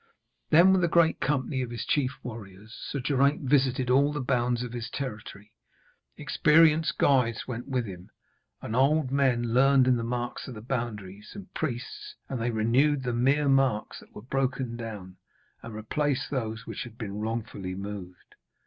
Then, with a great company of his chief warriors, Sir Geraint visited all the bounds of his territory. Experienced guides went with him, and old men learned in the marks of the boundaries, and priests, and they renewed the mere marks that were broken down, and replaced those which had been wrongfully moved.